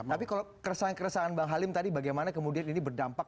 tapi kalau keresahan keresahan bang halim tadi bagaimana kemudian ini berdampak